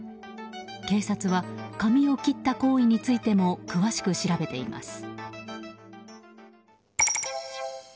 警察は髪を切った行為についても詳しく調べています。